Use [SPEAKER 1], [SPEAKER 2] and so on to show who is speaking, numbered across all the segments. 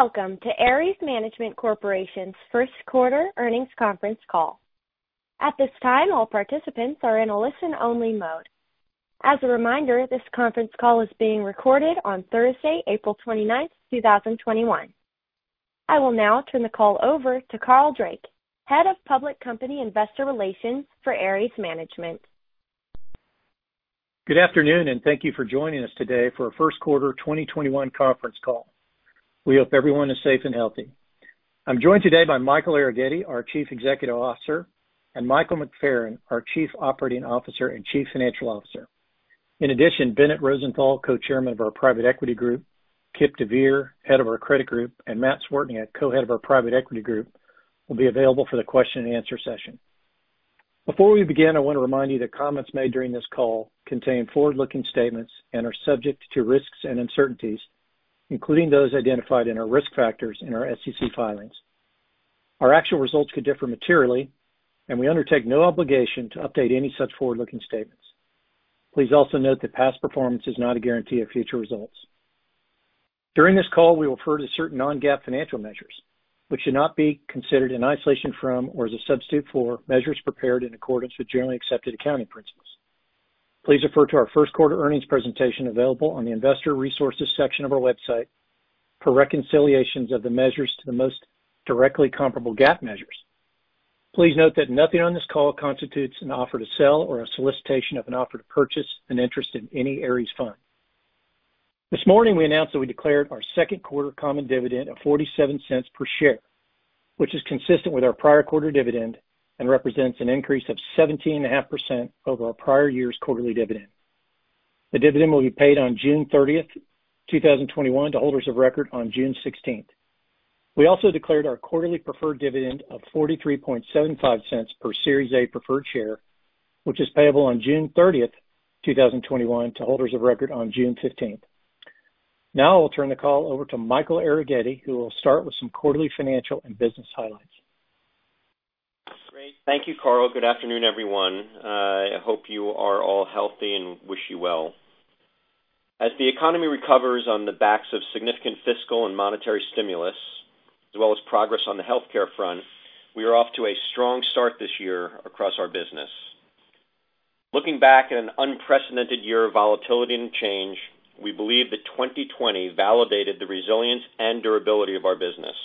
[SPEAKER 1] Welcome to Ares Management Corporation's first quarter earnings conference call. At this time, all participants are in a listen only mode. As a reminder, this conference call is being recorded on Thursday, April 29th, 2021. I will now turn the call over to Carl Drake, Head of Public Company Investor Relations for Ares Management.
[SPEAKER 2] Good afternoon, and thank you for joining us today for our first quarter 2021 conference call. We hope everyone is safe and healthy. I'm joined today by Michael Arougheti, our Chief Executive Officer, and Michael McFerran, our Chief Operating Officer and Chief Financial Officer. In addition, Bennett Rosenthal, Co-chairman of our Private Equity Group, Kipp deVeer, Head of our Credit Group, and Matt Cwiertnia, Co-head of our Private Equity Group, will be available for the question and answer session. Before we begin, I want to remind you that comments made during this call contain forward-looking statements and are subject to risks and uncertainties, including those identified in our risk factors in our SEC filings. Our actual results could differ materially, and we undertake no obligation to update any such forward-looking statements. Please also note that past performance is not a guarantee of future results. During this call, we will refer to certain non-GAAP financial measures, which should not be considered in isolation from or as a substitute for measures prepared in accordance with generally accepted accounting principles. Please refer to our first quarter earnings presentation available on the investor resources section of our website for reconciliations of the measures to the most directly comparable GAAP measures. Please note that nothing on this call constitutes an offer to sell or a solicitation of an offer to purchase an interest in any Ares fund. This morning, we announced that we declared our second quarter common dividend of $0.47 per share, which is consistent with our prior quarter dividend and represents an increase of 17.5% over our prior year's quarterly dividend. The dividend will be paid on June 30th, 2021, to holders of record on June 16th. We also declared our quarterly preferred dividend of $0.4375 per Series A preferred share, which is payable on June 30th, 2021, to holders of record on June 15th. I will turn the call over to Michael Arougheti, who will start with some quarterly financial and business highlights.
[SPEAKER 3] Great. Thank you, Carl. Good afternoon, everyone. I hope you are all healthy and wish you well. As the economy recovers on the backs of significant fiscal and monetary stimulus, as well as progress on the healthcare front, we are off to a strong start this year across our business. Looking back at an unprecedented year of volatility and change, we believe that 2020 validated the resilience and durability of our business,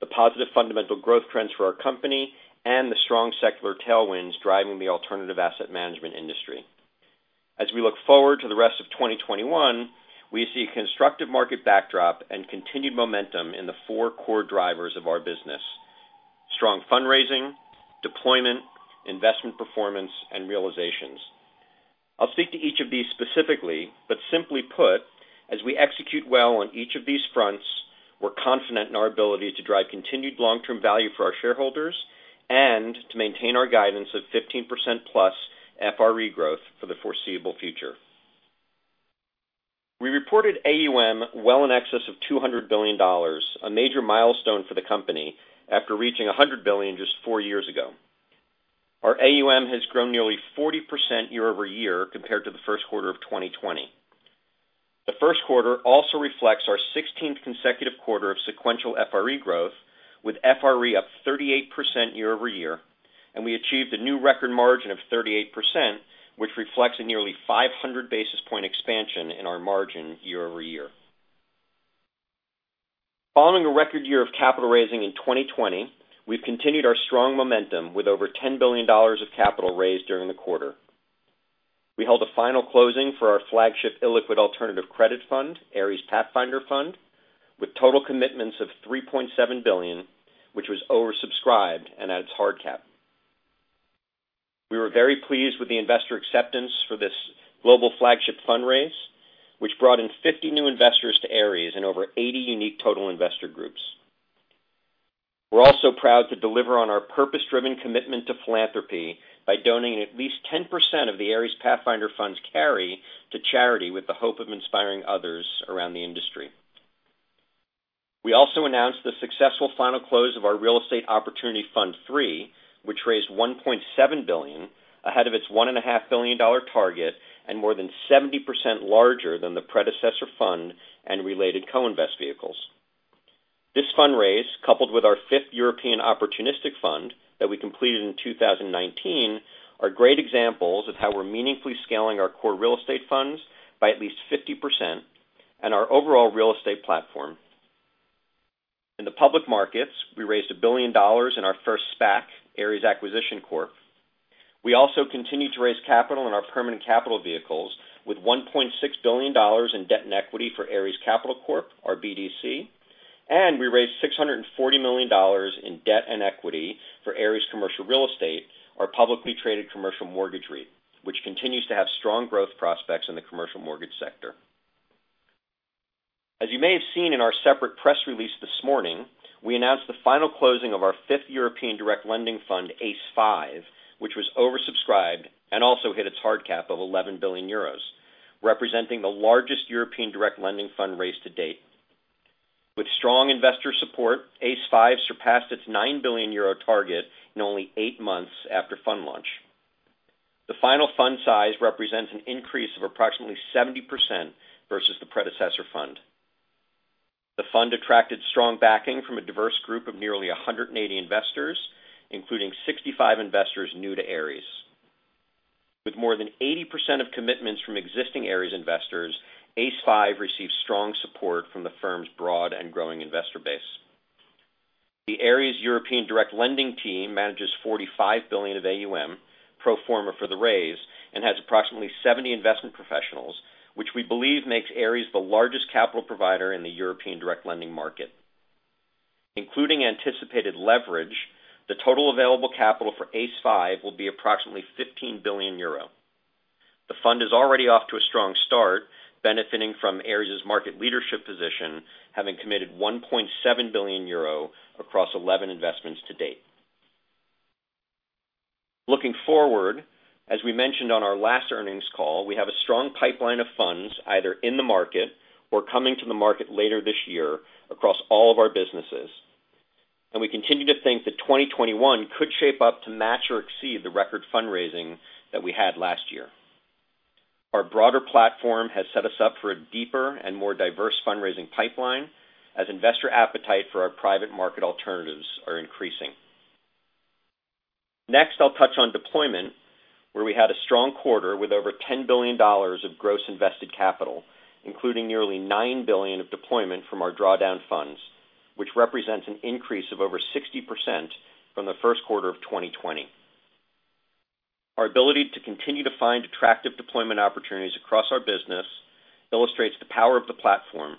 [SPEAKER 3] the positive fundamental growth trends for our company, and the strong secular tailwinds driving the alternative asset management industry. As we look forward to the rest of 2021, we see a constructive market backdrop and continued momentum in the four core drivers of our business, strong fundraising, deployment, investment performance, and realizations. I'll speak to each of these specifically. Simply put, as we execute well on each of these fronts, we're confident in our ability to drive continued long-term value for our shareholders and to maintain our guidance of 15%+ FRE growth for the foreseeable future. We reported AUM well in excess of $200 billion, a major milestone for the company after reaching $100 billion just four years ago. Our AUM has grown nearly 40% year-over-year compared to the first quarter of 2020. The first quarter also reflects our 16th consecutive quarter of sequential FRE growth, with FRE up 38% year-over-year. We achieved a new record margin of 38%, which reflects a nearly 500 basis point expansion in our margin year-over-year. Following a record year of capital raising in 2020, we've continued our strong momentum with over $10 billion of capital raised during the quarter. We held a final closing for our flagship illiquid alternative credit fund, Ares Pathfinder Fund, with total commitments of $3.7 billion, which was oversubscribed and at its hard cap. We were very pleased with the investor acceptance for this global flagship fundraise, which brought in 50 new investors to Ares and over 80 unique total investor groups. We're also proud to deliver on our purpose-driven commitment to philanthropy by donating at least 10% of the Ares Pathfinder Fund's carry to charity with the hope of inspiring others around the industry. We also announced the successful final close of our Real Estate Opportunity Fund III, which raised $1.7 billion ahead of its $1.5 billion target, and more than 70% larger than the predecessor fund and related co-invest vehicles. This fundraise, coupled with our fifth European opportunistic fund that we completed in 2019, are great examples of how we're meaningfully scaling our core real estate funds by at least 50% and our overall real estate platform. In the public markets, we raised $1 billion in our first SPAC, Ares Acquisition Corp. We also continued to raise capital in our permanent capital vehicles with $1.6 billion in debt and equity for Ares Capital Corp, our BDC. We raised $640 million in debt and equity for Ares Commercial Real Estate, our publicly traded commercial mortgage REIT, which continues to have strong growth prospects in the commercial mortgage sector. As you may have seen in our separate press release this morning, we announced the final closing of our fifth European direct lending fund, ACE V, which was oversubscribed and also hit its hard cap of 11 billion euros, representing the largest European direct lending fund raised to date. With strong investor support, ACE V surpassed its 9 billion euro target in only eight months after fund launch. The final fund size represents an increase of approximately 70% versus the predecessor fund. The fund attracted strong backing from a diverse group of nearly 180 investors, including 65 investors new to Ares. With more than 80% of commitments from existing Ares investors, ACE V received strong support from the firm's broad and growing investor base. The Ares European Direct Lending team manages $45 billion of AUM, pro forma for the raise, and has approximately 70 investment professionals, which we believe makes Ares the largest capital provider in the European direct lending market. Including anticipated leverage, the total available capital for ACE V will be approximately 15 billion euro. The fund is already off to a strong start, benefiting from Ares' market leadership position, having committed 1.7 billion euro across 11 investments to date. Looking forward, as we mentioned on our last earnings call, we have a strong pipeline of funds, either in the market or coming to the market later this year across all of our businesses. We continue to think that 2021 could shape up to match or exceed the record fundraising that we had last year. Our broader platform has set us up for a deeper and more diverse fundraising pipeline, as investor appetite for our private market alternatives are increasing. Next, I'll touch on deployment, where we had a strong quarter with over $10 billion of gross invested capital, including nearly $9 billion of deployment from our drawdown funds, which represents an increase of over 60% from the first quarter of 2020. Our ability to continue to find attractive deployment opportunities across our business illustrates the power of the platform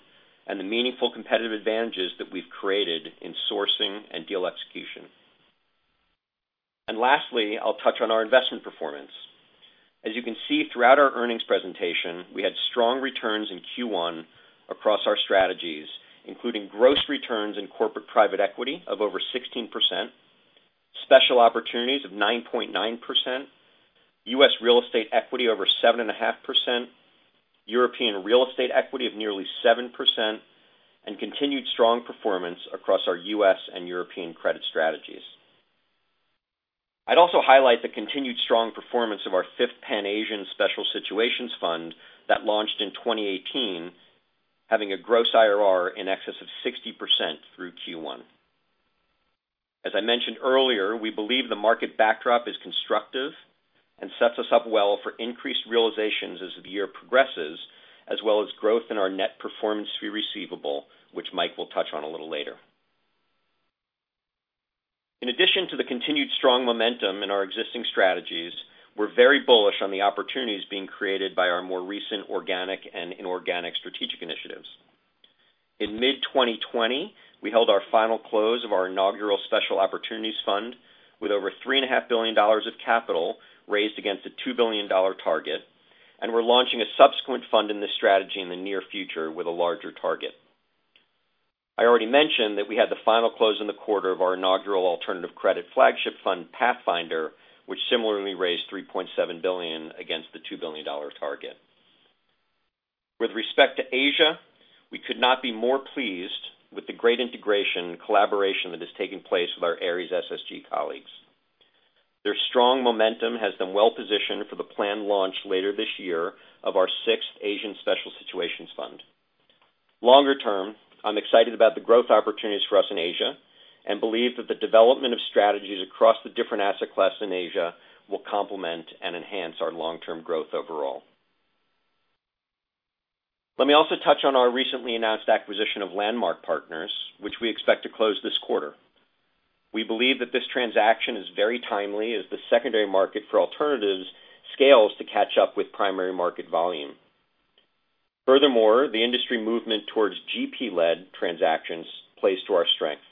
[SPEAKER 3] and the meaningful competitive advantages that we've created in sourcing and deal execution. Lastly, I'll touch on our investment performance. As you can see throughout our earnings presentation, we had strong returns in Q1 across our strategies, including gross returns in corporate private equity of over 16%, special opportunities of 9.9%, U.S. real estate equity over 7.5%, European real estate equity of nearly 7%, and continued strong performance across our U.S. and European credit strategies. I'd also highlight the continued strong performance of our fifth Pan Asian Special Situations Fund that launched in 2018, having a gross IRR in excess of 60% through Q1. As I mentioned earlier, we believe the market backdrop is constructive and sets us up well for increased realizations as the year progresses, as well as growth in our net performance fee receivable, which Mike will touch on a little later. In addition to the continued strong momentum in our existing strategies, we're very bullish on the opportunities being created by our more recent organic and inorganic strategic initiatives. In mid-2020, we held our final close of our inaugural Special Opportunities Fund with over $3.5 billion of capital raised against a $2 billion target, and we're launching a subsequent fund in this strategy in the near future with a larger target. I already mentioned that we had the final close in the quarter of our inaugural alternative credit flagship fund, Pathfinder, which similarly raised $3.7 billion against the $2 billion target. With respect to Asia, we could not be more pleased with the great integration and collaboration that has taken place with our Ares SSG colleagues. Their strong momentum has them well positioned for the planned launch later this year of our sixth Asian Special Situations Fund. Longer term, I'm excited about the growth opportunities for us in Asia and believe that the development of strategies across the different asset class in Asia will complement and enhance our long-term growth overall. Let me also touch on our recently announced acquisition of Landmark Partners, which we expect to close this quarter. We believe that this transaction is very timely as the secondary market for alternatives scales to catch up with primary market volume. The industry movement towards GP-led transactions plays to our strength.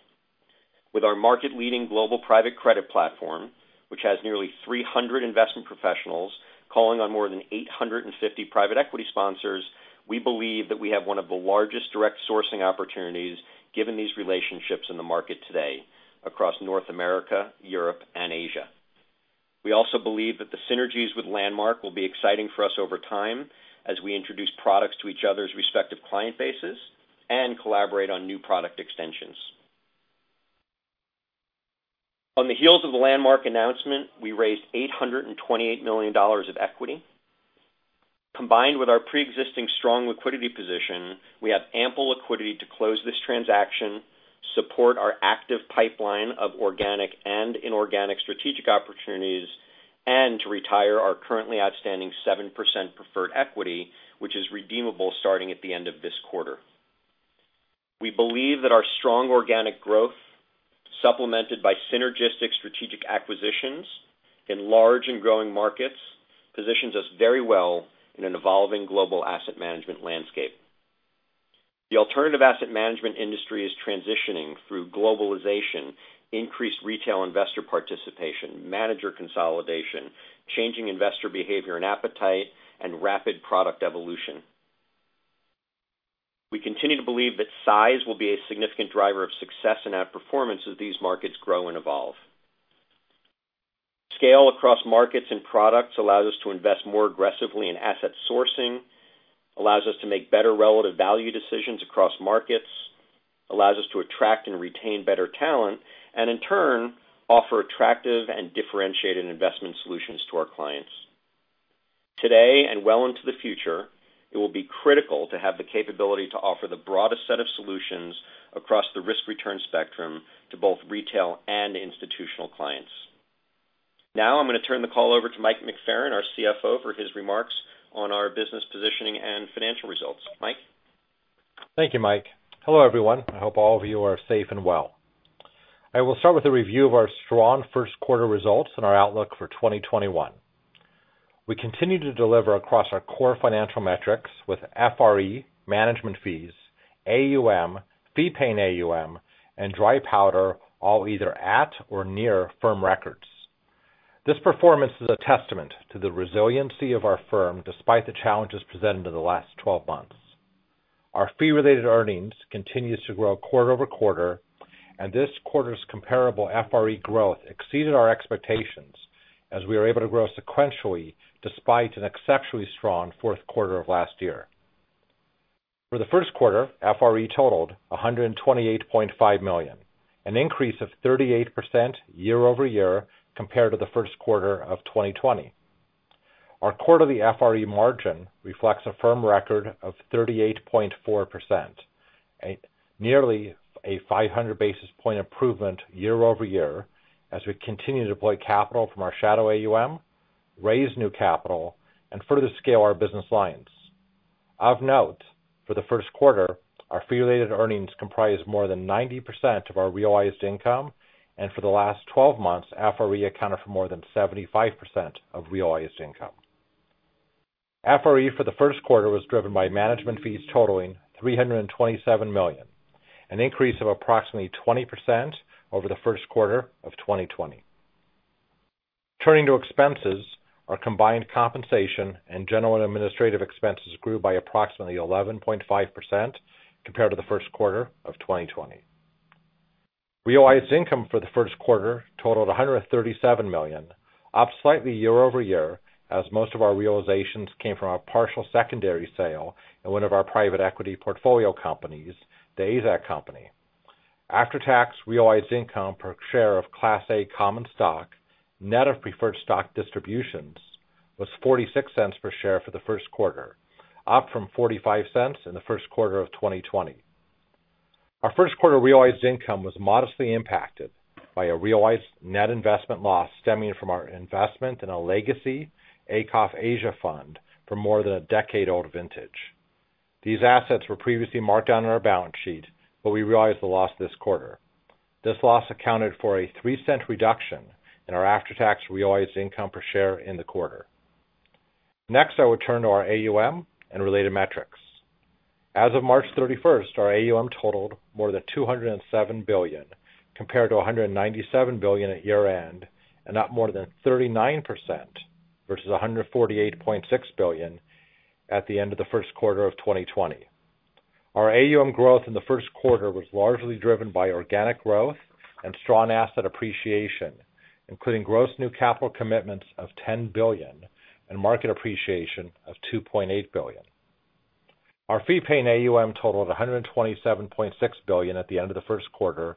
[SPEAKER 3] With our market-leading global private credit platform, which has nearly 300 investment professionals calling on more than 850 private equity sponsors, we believe that we have one of the largest direct sourcing opportunities given these relationships in the market today across North America, Europe, and Asia. We also believe that the synergies with Landmark Partners will be exciting for us over time as we introduce products to each other's respective client bases and collaborate on new product extensions. On the heels of the Landmark Partners announcement, we raised $828 million of equity. Combined with our preexisting strong liquidity position, we have ample liquidity to close this transaction, support our active pipeline of organic and inorganic strategic opportunities, and to retire our currently outstanding 7% preferred equity, which is redeemable starting at the end of this quarter. We believe that our strong organic growth, supplemented by synergistic strategic acquisitions in large and growing markets, positions us very well in an evolving global asset management landscape. The alternative asset management industry is transitioning through globalization, increased retail investor participation, manager consolidation, changing investor behavior and appetite, and rapid product evolution. We continue to believe that size will be a significant driver of success and outperformance as these markets grow and evolve. Scale across markets and products allows us to invest more aggressively in asset sourcing, allows us to make better relative value decisions across markets. Allows us to attract and retain better talent, and in turn, offer attractive and differentiated investment solutions to our clients. Today and well into the future, it will be critical to have the capability to offer the broadest set of solutions across the risk-return spectrum to both retail and institutional clients. I'm going to turn the call over to Mike McFerran, our CFO, for his remarks on our business positioning and financial results. Mike?
[SPEAKER 4] Thank you, Michael. Hello, everyone. I hope all of you are safe and well. I will start with a review of our strong first quarter results and our outlook for 2021. We continue to deliver across our core financial metrics with FRE, management fees, AUM, fee-paying AUM, and dry powder all either at or near firm records. This performance is a testament to the resiliency of our firm despite the challenges presented in the last 12 months. Our fee-related earnings continues to grow quarter-over-quarter, and this quarter's comparable FRE growth exceeded our expectations as we are able to grow sequentially despite an exceptionally strong fourth quarter of last year. For the first quarter, FRE totaled $128.5 million, an increase of 38% year-over-year compared to the first quarter of 2020. Our quarterly FRE margin reflects a firm record of 38.4%, nearly a 500 basis point improvement year-over-year as we continue to deploy capital from our shadow AUM, raise new capital, and further scale our business lines. Of note, for the first quarter, our fee-related earnings comprised more than 90% of our realized income, and for the last 12 months, FRE accounted for more than 75% of realized income. FRE for the first quarter was driven by management fees totaling $327 million, an increase of approximately 20% over the first quarter of 2020. Turning to expenses, our combined compensation and general administrative expenses grew by approximately 11.5% compared to the first quarter of 2020. Realized income for the first quarter totaled $137 million, up slightly year-over-year as most of our realizations came from our partial secondary sale in one of our private equity portfolio companies, The AZEK Company. After-tax realized income per share of Class A common stock, net of preferred stock distributions, was $0.46 per share for the first quarter, up from $0.45 in the first quarter of 2020. Our first quarter realized income was modestly impacted by a realized net investment loss stemming from our investment in a legacy ACOF Asia fund for more than a decade-old vintage. These assets were previously marked down on our balance sheet, but we realized the loss this quarter. This loss accounted for a $0.03 reduction in our after-tax realized income per share in the quarter. I will turn to our AUM and related metrics. As of March 31st, our AUM totaled more than $207 billion, compared to $197 billion at year-end, and up more than 39% versus $148.6 billion at the end of the first quarter of 2020. Our AUM growth in the first quarter was largely driven by organic growth and strong asset appreciation, including gross new capital commitments of $10 billion and market appreciation of $2.8 billion. Our fee-paying AUM totaled $127.6 billion at the end of the first quarter,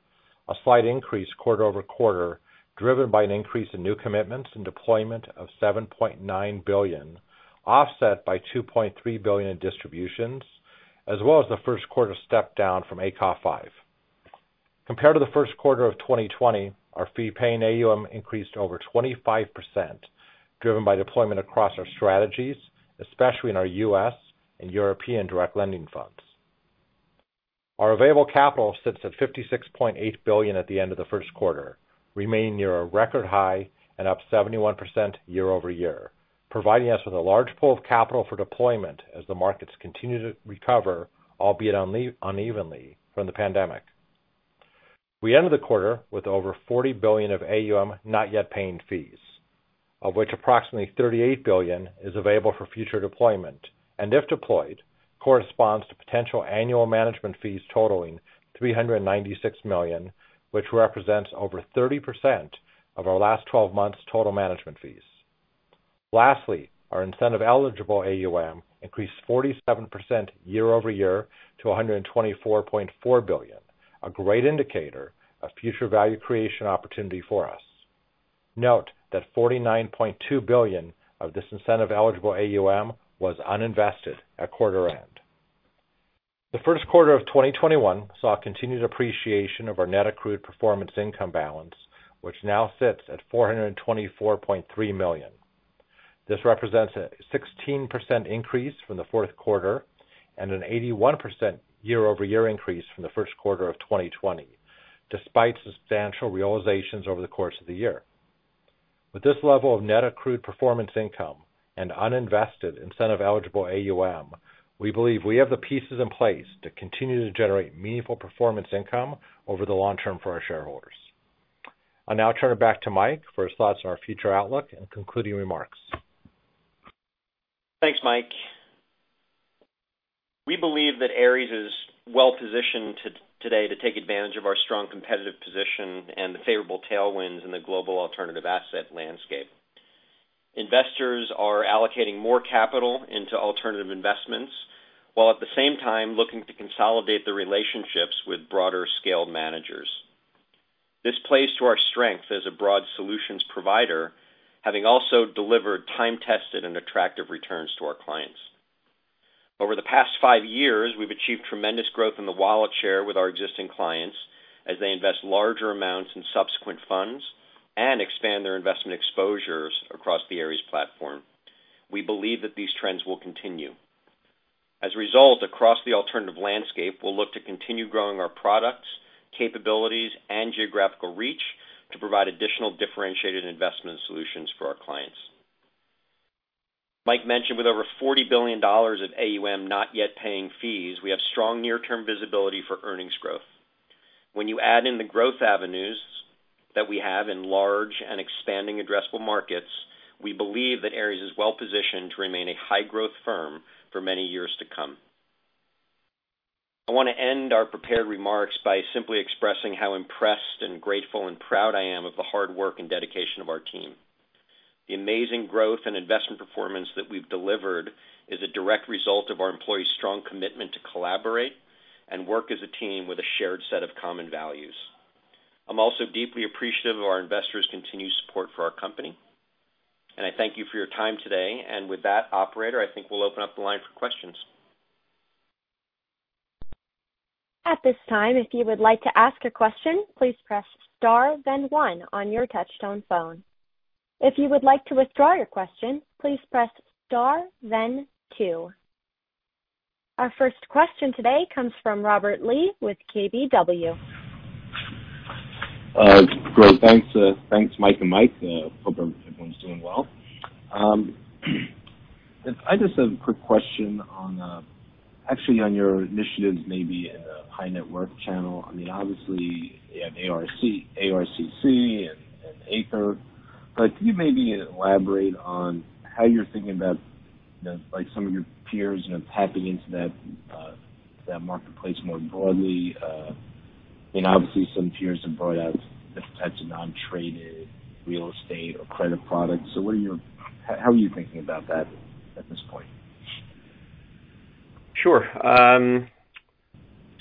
[SPEAKER 4] a slight increase quarter-over-quarter, driven by an increase in new commitments and deployment of $7.9 billion, offset by $2.3 billion in distributions, as well as the first quarter step down from ACOF V. Compared to the first quarter of 2020, our fee-paying AUM increased over 25%, driven by deployment across our strategies, especially in our U.S. and European direct lending funds. Our available capital sits at $56.8 billion at the end of the first quarter, remaining near a record high and up 71% year-over-year, providing us with a large pool of capital for deployment as the markets continue to recover, albeit unevenly, from the pandemic. We ended the quarter with over $40 billion of AUM not yet paying fees, of which approximately $38 billion is available for future deployment, and if deployed, corresponds to potential annual management fees totaling $396 million, which represents over 30% of our last 12 months' total management fees. Our incentive-eligible AUM increased 47% year-over-year to $124.4 billion, a great indicator of future value creation opportunity for us. Note that $49.2 billion of this incentive-eligible AUM was uninvested at quarter end. The first quarter of 2021 saw continued appreciation of our net accrued performance income balance, which now sits at $424.3 million. This represents a 16% increase from the fourth quarter and an 81% year-over-year increase from the first quarter of 2020, despite substantial realizations over the course of the year. With this level of net accrued performance income and uninvested incentive-eligible AUM, we believe we have the pieces in place to continue to generate meaningful performance income over the long term for our shareholders. I'll now turn it back to Michael for his thoughts on our future outlook and concluding remarks.
[SPEAKER 3] Thanks, Mike. We believe that Ares is well-positioned today to take advantage of our strong competitive position and the favorable tailwinds in the global alternative asset landscape. Investors are allocating more capital into alternative investments, while at the same time looking to consolidate the relationships with broader scaled managers. This plays to our strength as a broad solutions provider, having also delivered time-tested and attractive returns to our clients. Over the past five years, we've achieved tremendous growth in the wallet share with our existing clients as they invest larger amounts in subsequent funds and expand their investment exposures across the Ares platform. We believe that these trends will continue. As a result, across the alternative landscape, we'll look to continue growing our products, capabilities, and geographical reach to provide additional differentiated investment solutions for our clients. Mike mentioned with over $40 billion of AUM not yet paying fees, we have strong near-term visibility for earnings growth. When you add in the growth avenues that we have in large and expanding addressable markets, we believe that Ares is well positioned to remain a high growth firm for many years to come. I want to end our prepared remarks by simply expressing how impressed and grateful and proud I am of the hard work and dedication of our team. The amazing growth and investment performance that we've delivered is a direct result of our employees' strong commitment to collaborate and work as a team with a shared set of common values. I'm also deeply appreciative of our investors' continued support for our company, and I thank you for your time today. With that, operator, I think we'll open up the line for questions.
[SPEAKER 1] At this time, if you would like to ask a question, please press star then one on your touchtone phone. If you would like to withdraw your question, please press star then two. Our first question today comes from Robert Lee with KBW.
[SPEAKER 5] Great. Thanks, Michael and Mike. Hope everyone's doing well. I just have a quick question on, actually on your initiatives, maybe in the high net worth channel. Obviously you have ARCC and ACRE. Can you maybe elaborate on how you're thinking about some of your peers tapping into that marketplace more broadly? Obviously some peers have brought out different types of non-traded real estate or credit products. How are you thinking about that at this point?
[SPEAKER 3] Sure.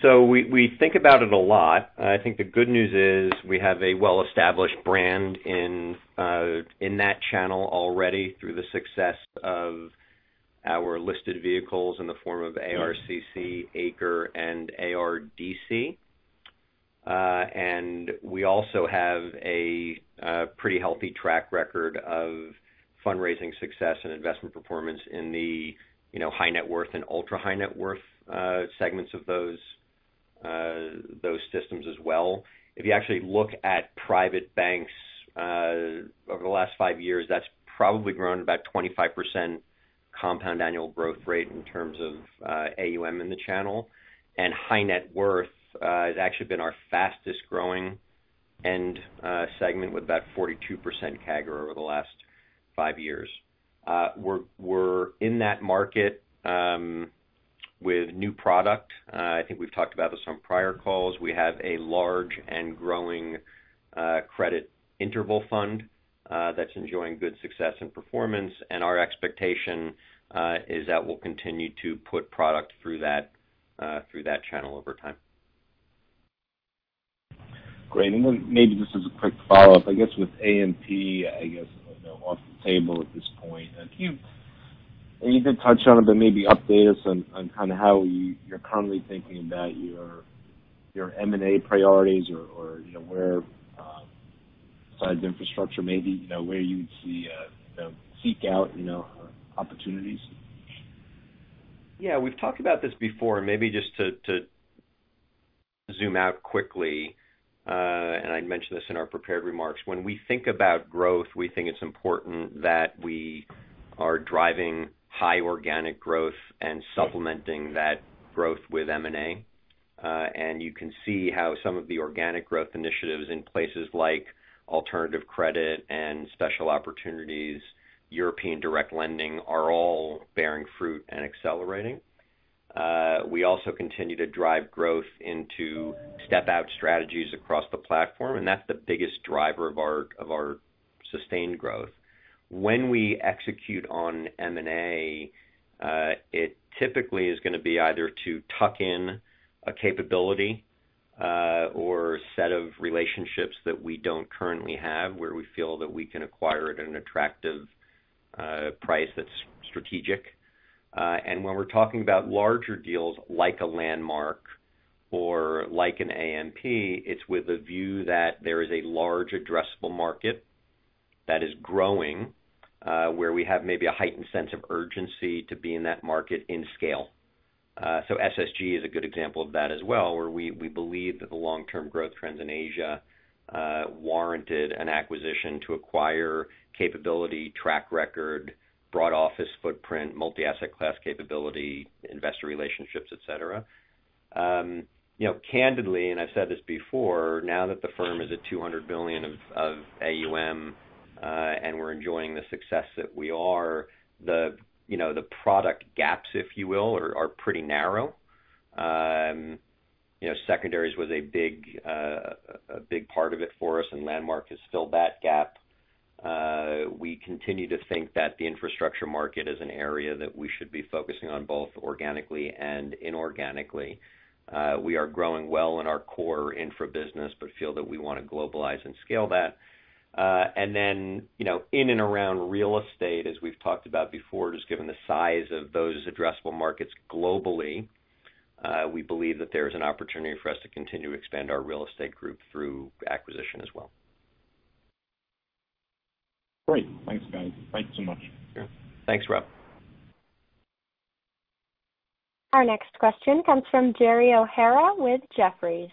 [SPEAKER 3] We think about it a lot. I think the good news is we have a well-established brand in that channel already through the success of our listed vehicles in the form of ARCC, ACRE, and ARDC. We also have a pretty healthy track record of fundraising success and investment performance in the high net worth and ultra-high net worth segments of those systems as well. If you actually look at private banks, over the last five years, that's probably grown about 25% compound annual growth rate in terms of AUM in the channel. High net worth has actually been our fastest growing end segment with about 42% CAGR over the last five years. We're in that market with new product. I think we've talked about this on prior calls. We have a large and growing credit interval fund that's enjoying good success and performance. Our expectation is that we'll continue to put product through that channel over time.
[SPEAKER 5] Great. Then maybe just as a quick follow-up, I guess with AMP off the table at this point. You did touch on it, but maybe update us on how you're currently thinking about your M&A priorities or where besides infrastructure, maybe, where you would seek out opportunities.
[SPEAKER 3] Yeah, we've talked about this before, and maybe just to zoom out quickly, and I mentioned this in our prepared remarks. When we think about growth, we think it's important that we are driving high organic growth and supplementing that growth with M&A. You can see how some of the organic growth initiatives in places like alternative credit and special opportunities, European Direct Lending, are all bearing fruit and accelerating. We also continue to drive growth into step-out strategies across the platform, and that's the biggest driver of our sustained growth. When we execute on M&A, it typically is going to be either to tuck in a capability or set of relationships that we don't currently have, where we feel that we can acquire at an attractive price that's strategic. When we're talking about larger deals like a Landmark Partners or like an AMP, it's with a view that there is a large addressable market that is growing where we have maybe a heightened sense of urgency to be in that market in scale. SSG is a good example of that as well, where we believe that the long-term growth trends in Asia warranted an acquisition to acquire capability, track record, broad office footprint, multi-asset class capability, investor relationships, et cetera. Candidly, I've said this before, now that the firm is at $200 billion of AUM, we're enjoying the success that we are, the product gaps, if you will, are pretty narrow. Secondaries was a big part of it for us, Landmark Partners has filled that gap. We continue to think that the infrastructure market is an area that we should be focusing on, both organically and inorganically. We are growing well in our core infra business, feel that we want to globalize and scale that. In and around real estate, as we've talked about before, just given the size of those addressable markets globally, we believe that there's an opportunity for us to continue to expand our real estate group through acquisition as well.
[SPEAKER 5] Great. Thanks, guys. Thanks so much.
[SPEAKER 3] Sure. Thanks, Robert.
[SPEAKER 1] Our next question comes from Gerald O'Hara with Jefferies.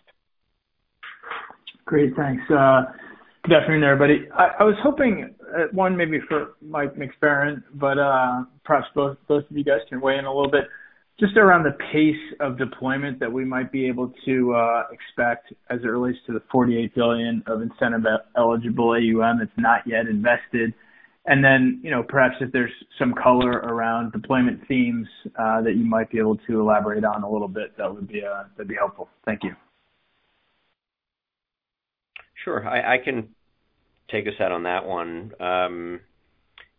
[SPEAKER 6] Great, thanks. Good afternoon, everybody. I was hoping one may be for Michael McFerran, but perhaps both of you guys can weigh in a little bit. Just around the pace of deployment that we might be able to expect as it relates to the $48 billion of incentive-eligible AUM that's not yet invested. Then, perhaps if there's some color around deployment themes that you might be able to elaborate on a little bit, that'd be helpful. Thank you.
[SPEAKER 3] Sure. I can take a shot on that one.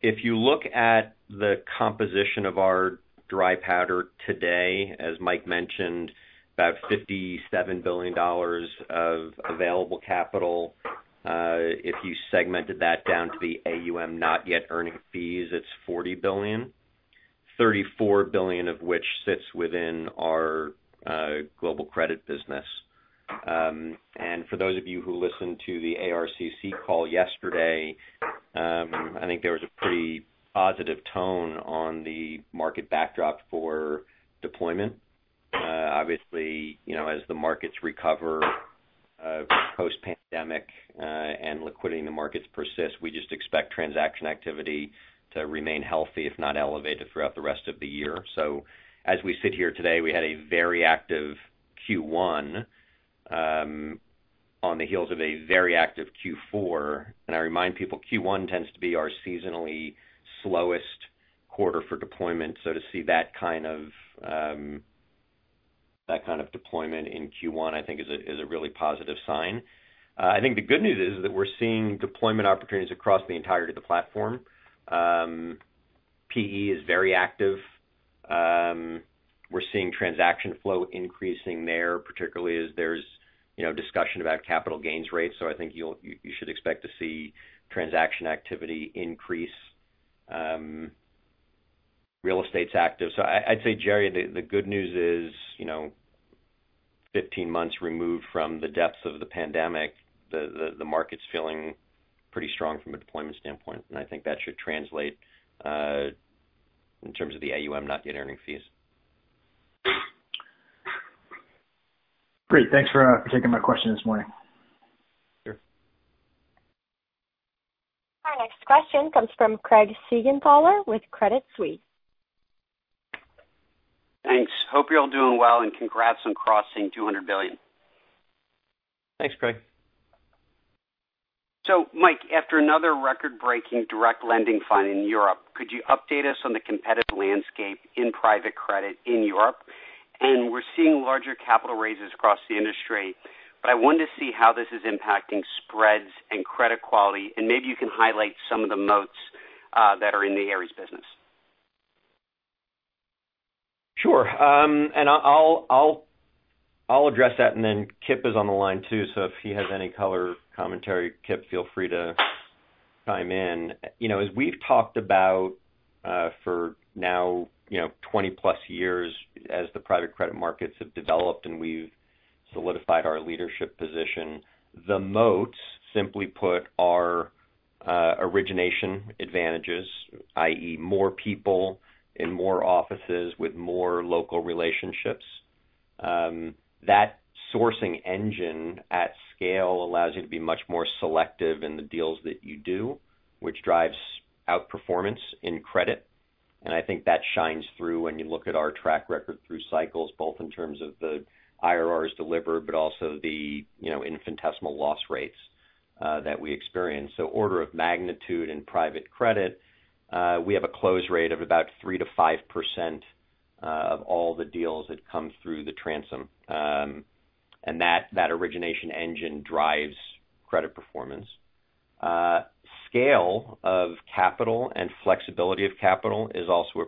[SPEAKER 3] If you look at the composition of our dry powder today, as Michael mentioned, about $57 billion of available capital. If you segmented that down to the AUM not yet earning fees, it's $40 billion, $34 billion of which sits within our global credit business. For those of you who listened to the ARCC call yesterday, I think there was a pretty positive tone on the market backdrop for deployment. Obviously, as the markets recover post-pandemic, and liquidity in the markets persists, we just expect transaction activity to remain healthy, if not elevated, throughout the rest of the year. As we sit here today, we had a very active Q1 on the heels of a very active Q4. I remind people, Q1 tends to be our seasonally slowest quarter for deployment. To see that kind of deployment in Q1, I think is a really positive sign. I think the good news is that we're seeing deployment opportunities across the entirety of the platform. PE is very active. We're seeing transaction flow increasing there, particularly as there's discussion about capital gains rates. I think you should expect to see transaction activity increase. Real estate's active. I'd say, Gerald, the good news is 15 months removed from the depths of the pandemic, the market's feeling pretty strong from a deployment standpoint, and I think that should translate in terms of the AUM not yet earning fees.
[SPEAKER 6] Great. Thanks for taking my question this morning.
[SPEAKER 3] Sure.
[SPEAKER 1] Our next question comes from Craig Siegenthaler with Credit Suisse.
[SPEAKER 7] Thanks. Hope you are all doing well, and congrats on crossing $200 billion.
[SPEAKER 3] Thanks, Craig.
[SPEAKER 7] Mike, after another record-breaking direct lending fund in Europe, could you update us on the competitive landscape in private credit in Europe? We're seeing larger capital raises across the industry, but I wanted to see how this is impacting spreads and credit quality, and maybe you can highlight some of the moats that are in the Ares business.
[SPEAKER 3] Sure. I'll address that, and then Kipp is on the line too, so if he has any color commentary, Kipp, feel free to chime in. As we've talked about for now 20+ years as the private credit markets have developed, and we've solidified our leadership position, the moats, simply put, are origination advantages, i.e., more people in more offices with more local relationships. That sourcing engine at scale allows you to be much more selective in the deals that you do, which drives outperformance in credit. I think that shines through when you look at our track record through cycles, both in terms of the IRRs delivered, but also the infinitesimal loss rates that we experience. Order of magnitude in private credit, we have a close rate of about 3%-5% of all the deals that come through the transom. That origination engine drives credit performance. Scale of capital and flexibility of capital is also a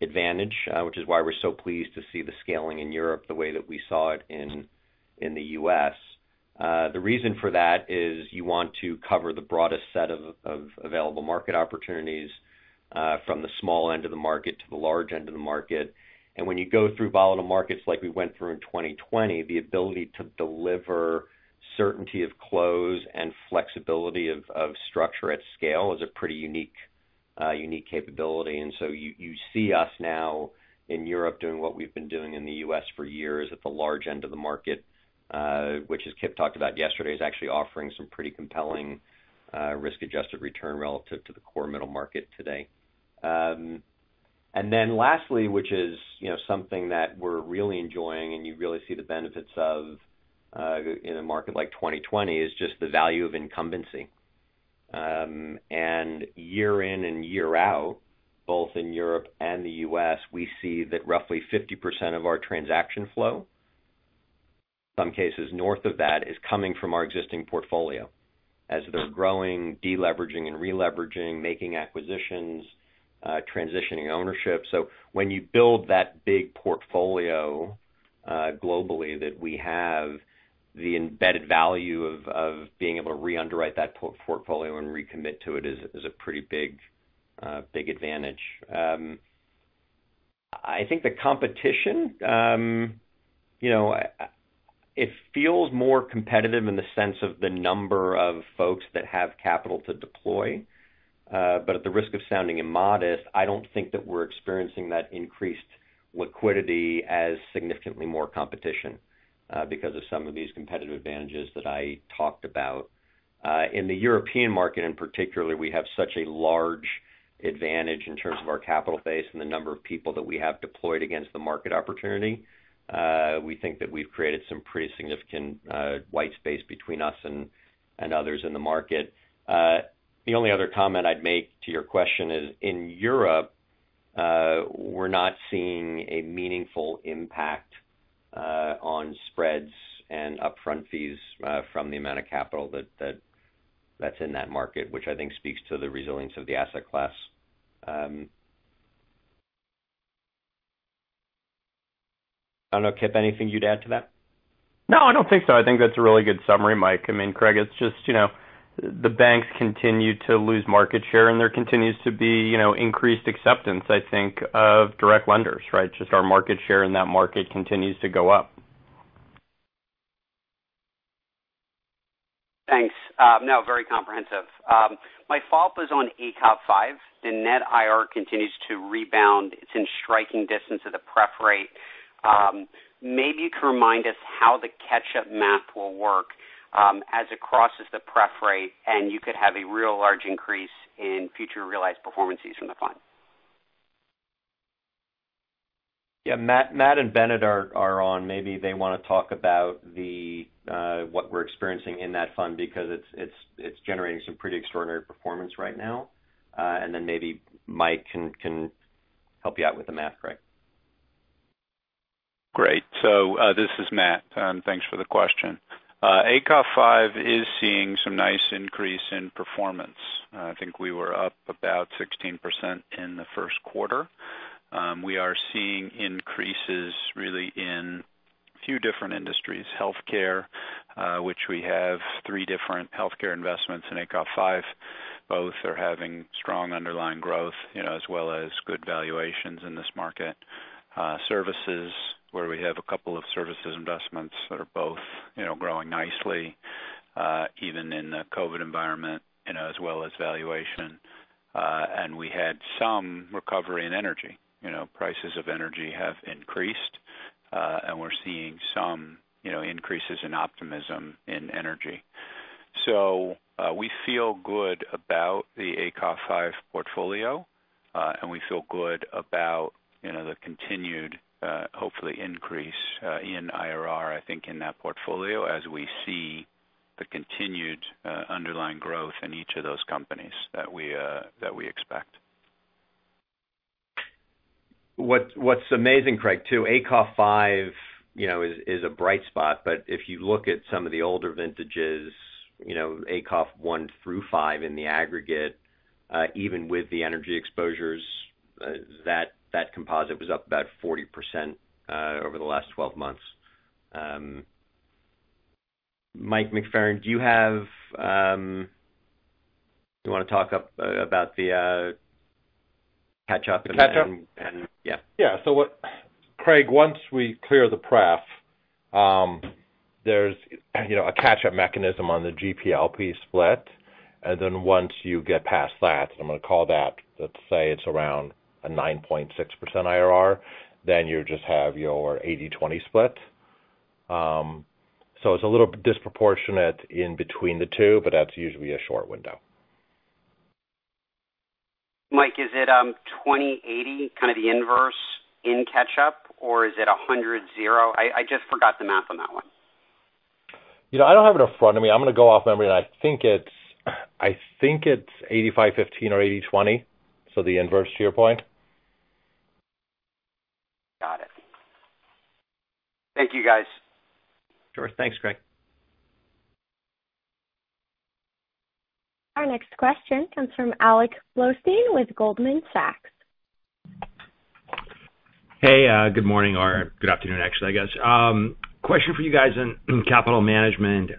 [SPEAKER 3] pretty big advantage, which is why we're so pleased to see the scaling in Europe the way that we saw it in the U.S. The reason for that is you want to cover the broadest set of available market opportunities from the small end of the market to the large end of the market. When you go through volatile markets like we went through in 2020, the ability to deliver certainty of close and flexibility of structure at scale is a pretty unique capability. You see us now in Europe doing what we've been doing in the U.S. for years at the large end of the market, which, as Kipp talked about yesterday, is actually offering some pretty compelling risk-adjusted return relative to the core middle market today. Lastly, which is something that we're really enjoying, and you really see the benefits of in a market like 2020, is just the value of incumbency. Year in and year out, both in Europe and the U.S., we see that roughly 50% of our transaction flow, some cases north of that, is coming from our existing portfolio as they're growing, de-leveraging and re-leveraging, making acquisitions, transitioning ownership. When you build that big portfolio globally that we have, the embedded value of being able to re-underwrite that portfolio and recommit to it is a pretty big advantage. I think the competition. It feels more competitive in the sense of the number of folks that have capital to deploy. At the risk of sounding immodest, I don't think that we're experiencing that increased liquidity as significantly more competition because of some of these competitive advantages that I talked about. In the European market in particular, we have such a large advantage in terms of our capital base and the number of people that we have deployed against the market opportunity. We think that we've created some pretty significant white space between us and others in the market. The only other comment I'd make to your question is, in Europe, we're not seeing a meaningful impact on spreads and upfront fees from the amount of capital that's in that market, which I think speaks to the resilience of the asset class. I don't know, Kipp, anything you'd add to that?
[SPEAKER 8] No, I don't think so. I think that's a really good summary, Michael. Craig, it's just the banks continue to lose market share, and there continues to be increased acceptance, I think, of direct lenders, right? Just our market share in that market continues to go up.
[SPEAKER 7] Thanks. No, very comprehensive. My follow-up is on ACOF V. The net IRR continues to rebound. It's in striking distance of the pref rate. Maybe you can remind us how the catch-up math will work as it crosses the pref rate, and you could have a real large increase in future realized performances from the fund.
[SPEAKER 3] Yeah. Matt and Bennett are on. Maybe they want to talk about what we're experiencing in that fund because it's generating some pretty extraordinary performance right now. Maybe Mike can help you out with the math, Craig.
[SPEAKER 9] Great. This is Matt. Thanks for the question. ACOF V is seeing some nice increase in performance. I think we were up about 16% in the first quarter. We are seeing increases really in a few different industries. Healthcare, which we have three different healthcare investments in ACOF V. Both are having strong underlying growth as well as good valuations in this market. Services, where we have a couple of services investments that are both growing nicely even in the COVID environment, as well as valuation. We had some recovery in energy. Prices of energy have increased. We're seeing some increases in optimism in energy. We feel good about the ACOF V portfolio. We feel good about the continued, hopefully, increase in IRR, I think, in that portfolio as we see the continued underlying growth in each of those companies that we expect.
[SPEAKER 3] What's amazing, Craig, too, ACOF V is a bright spot. If you look at some of the older vintages, ACOF one through five in the aggregate even with the energy exposures, that composite was up about 40% over the last 12 months. Mike McFerran, do you want to talk about the catch-up?
[SPEAKER 4] The catch-up? Yeah. Yeah. Craig, once we clear the pref, there's a catch-up mechanism on the GP-LP split. Once you get past that, I'm going to call that, let's say it's around a 9.6% IRR. You just have your 80-20 split. It's a little disproportionate in between the two, but that's usually a short window.
[SPEAKER 7] Mike, is it 20-80, kind of the inverse in catch-up? Or is it 100-0? I just forgot the math on that one.
[SPEAKER 4] I don't have it in front of me. I'm going to go off memory, and I think it's 85-15 or 80-20. The inverse to your point.
[SPEAKER 7] Got it. Thank you, guys.
[SPEAKER 3] Sure. Thanks, Craig.
[SPEAKER 1] Our next question comes from Alex Blostein with Goldman Sachs.
[SPEAKER 10] Hey, good morning or good afternoon, actually, I guess. Question for you guys in capital management.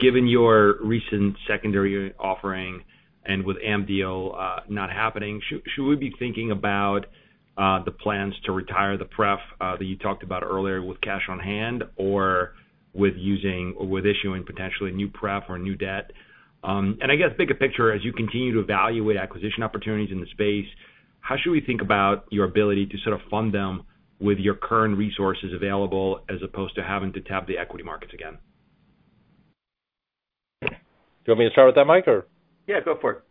[SPEAKER 10] Given your recent secondary offering and with AMP not happening, should we be thinking about the plans to retire the pref that you talked about earlier with cash on hand, or with issuing potentially new pref or new debt? I guess bigger picture, as you continue to evaluate acquisition opportunities in the space, how should we think about your ability to sort of fund them with your current resources available as opposed to having to tap the equity markets again?
[SPEAKER 4] Do you want me to start with that, Mike, or?
[SPEAKER 3] Yeah, go for it.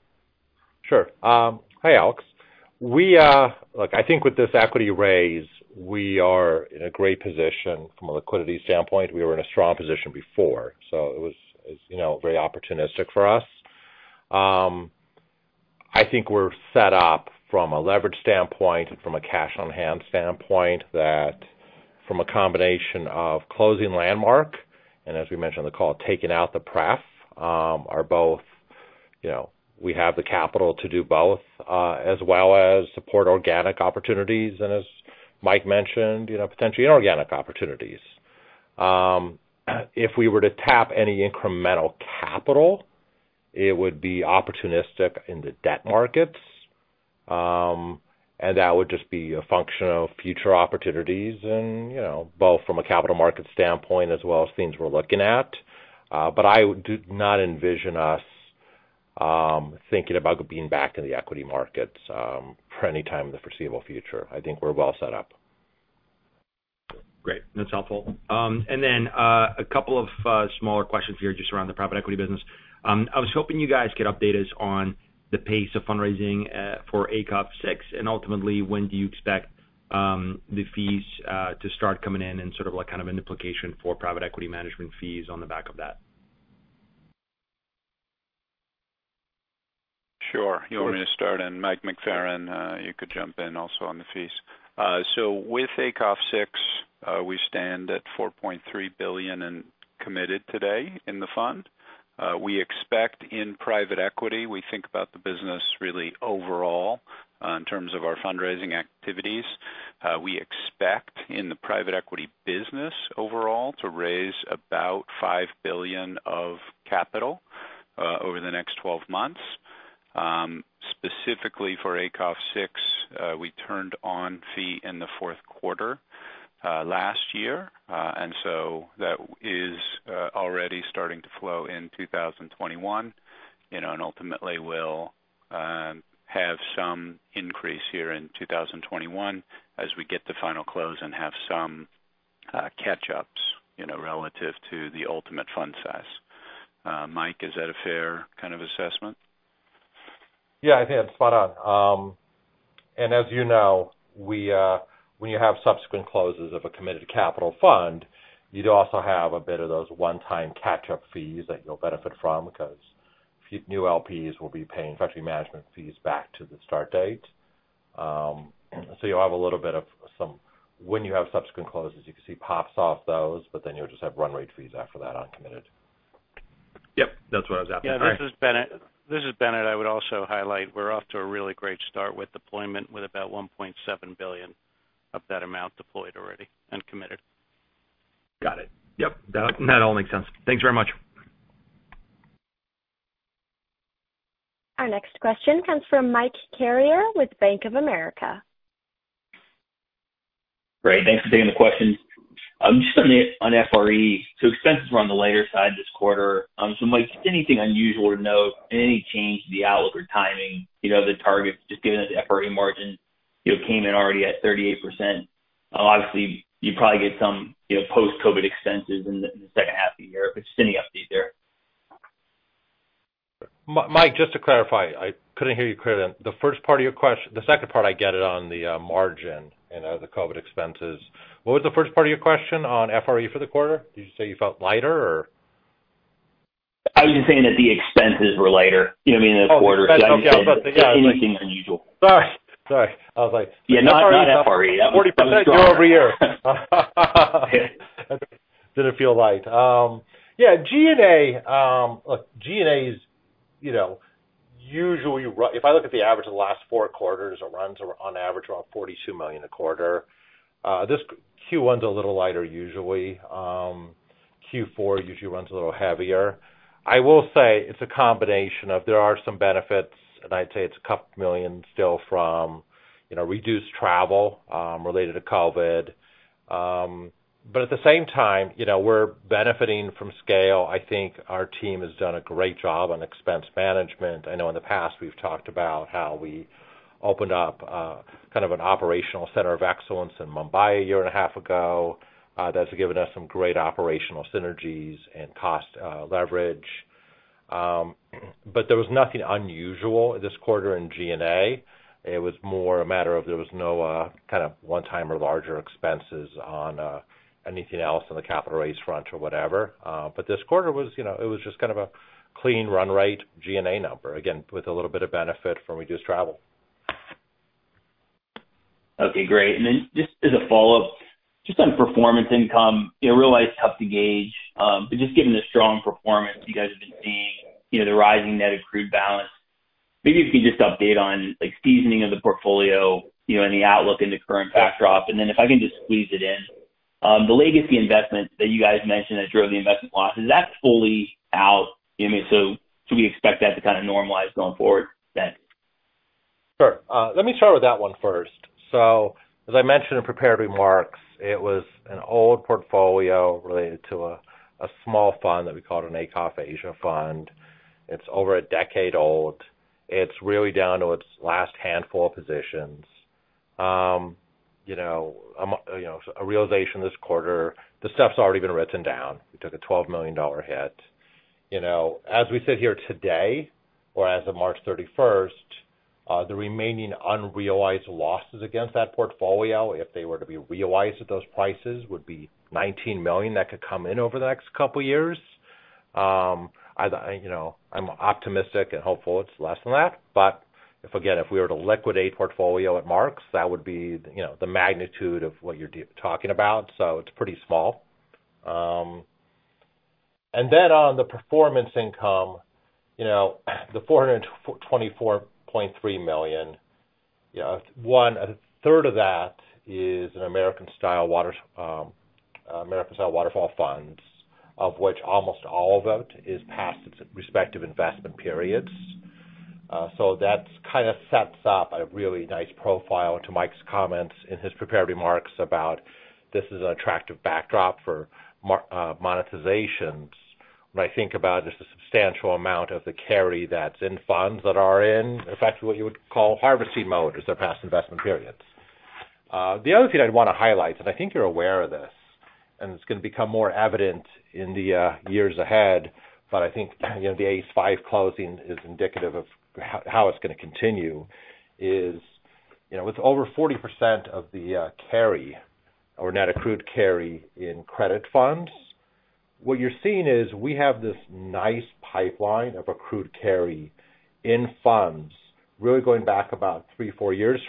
[SPEAKER 4] Sure. Hi, Alex. I think with this equity raise, we are in a great position from a liquidity standpoint. We were in a strong position before, so it was very opportunistic for us. I think we're set up from a leverage standpoint and from a cash-on-hand standpoint, that from a combination of closing Landmark and, as we mentioned on the call, taking out the pref, we have the capital to do both, as well as support organic opportunities and, as Michael mentioned, potentially inorganic opportunities. If we were to tap any incremental capital, it would be opportunistic in the debt markets. That would just be a function of future opportunities, both from a capital market standpoint as well as things we're looking at. I do not envision us thinking about being back in the equity markets for any time in the foreseeable future. I think we're well set up.
[SPEAKER 10] Great. That is helpful. Then a couple of smaller questions here, just around the private equity business. I was hoping you guys could update us on the pace of fundraising for ACOF VI, ultimately, when do you expect the fees to start coming in and sort of an implication for private equity management fees on the back of that?
[SPEAKER 9] Sure. You want me to start? Michael McFerran, you could jump in also on the fees. With ACOF VI, we stand at $4.3 billion in committed today in the fund. We expect in private equity, we think about the business really overall in terms of our fundraising activities. We expect in the private equity business overall to raise about $5 billion of capital over the next 12 months. Specifically for ACOF VI, we turned on fee in the fourth quarter last year. That is already starting to flow in 2021 and ultimately will have some increase here in 2021 as we get the final close and have some catch-ups relative to the ultimate fund size. Michael, is that a fair kind of assessment?
[SPEAKER 4] Yeah, I think that's spot on. As you know, when you have subsequent closes of a committed capital fund, you'd also have a bit of those one-time catch-up fees that you'll benefit from because new LPs will be paying (country) management fees back to the start date. You'll have a little bit of some when you have subsequent closes, you can see pops off those, but then you'll just have run rate fees after that on committed.
[SPEAKER 10] Yep. That's what I was asking.
[SPEAKER 11] Yeah, this is Bennett. I would also highlight we're off to a really great start with deployment with about $1.7 billion of that amount deployed already and committed.
[SPEAKER 10] Got it. Yep. That all makes sense. Thanks very much.
[SPEAKER 1] Our next question comes from Michael Carrier with Bank of America.
[SPEAKER 12] Great. Thanks for taking the question. Just on FRE, expenses were on the lighter side this quarter. Mike, just anything unusual to note, any change to the outlook or timing, the targets, just given that the FRE margin came in already at 38%? Obviously, you probably get some post-COVID expenses in the second half of the year, but just any update there?
[SPEAKER 4] Michael, just to clarify, I couldn't hear you clear. The second part I get it on the margin and the COVID expenses. What was the first part of your question on FRE for the quarter? Did you say you felt lighter, or?
[SPEAKER 12] I was just saying that the expenses were lighter in the quarter.
[SPEAKER 4] Oh, expenses. Okay.
[SPEAKER 12] I'm just asking if there's anything unusual.
[SPEAKER 4] Sorry.
[SPEAKER 12] Yeah, not at FRE.
[SPEAKER 4] 40% year-over-year. Didn't feel light. G&A is usually, if I look at the average of the last four quarters, it runs on average around $42 million a quarter. This Q1's a little lighter usually. Q4 usually runs a little heavier. I will say it's a combination of there are some benefits, and I'd say it's a couple million still from reduced travel related to COVID. At the same time, we're benefiting from scale. I think our team has done a great job on expense management. I know in the past we've talked about how we opened up kind of an operational center of excellence in Mumbai a year and a half ago. That's given us some great operational synergies and cost leverage. There was nothing unusual this quarter in G&A. It was more a matter of there was no kind of one-time or larger expenses on anything else on the capital raise front or whatever. This quarter it was just kind of a clean run rate G&A number, again, with a little bit of benefit from reduced travel.
[SPEAKER 12] Okay, great. Just as a follow-up, just on performance income. I realize it's tough to gauge. Just given the strong performance you guys have been seeing, the rising net accrued balance, maybe if you can just update on seasoning of the portfolio and the outlook in the current backdrop? If I can just squeeze it in, the legacy investment that you guys mentioned that drove the investment losses, is that fully out? Should we expect that to kind of normalize going forward then?
[SPEAKER 4] Sure. Let me start with that one first. As I mentioned in prepared remarks, it was an old portfolio related to a small fund that we called an ACOF Asia fund. It's over a decade old. It's really down to its last handful of positions. A realization this quarter, the stuff's already been written down. We took a $12 million hit. As we sit here today, or as of March 31st, the remaining unrealized losses against that portfolio, if they were to be realized at those prices, would be $19 million that could come in over the next couple of years. I'm optimistic and hopeful it's less than that. Again, if we were to liquidate portfolio at marks, that would be the magnitude of what you're talking about. It's pretty small. On the performance income, the $424.3 million. One third of that is an American-style waterfall funds, of which almost all of it is past its respective investment periods. That kind of sets up a really nice profile to Michael's comments in his prepared remarks about this is an attractive backdrop for monetizations. When I think about just the substantial amount of the carry that's in funds that are in fact what you would call harvesting mode as their past investment periods. The other thing I'd want to highlight, and I think you're aware of this, and it's going to become more evident in the years ahead, but I think the ACE V closing is indicative of how it's going to continue is, with over 40% of the carry or net accrued carry in credit funds. What you're seeing is we have this nice pipeline of accrued carry in funds really going back about three, four years